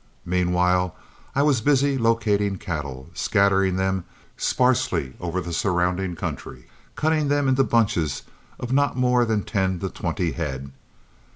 Meanwhile I was busy locating the cattle, scattering them sparsely over the surrounding country, cutting them into bunches of not more than ten to twenty head.